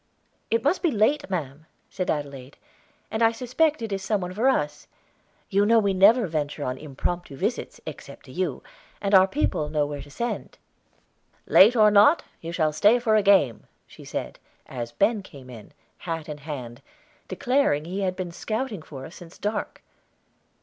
"It must be late, ma'am," said Adelaide; "and I suspect it is some one for us. You know we never venture on impromptu visits, except to you, and our people know where to send." "Late or not, you shall stay for a game," she said, as Ben came in, hat in hand, declaring he had been scouting for us since dark.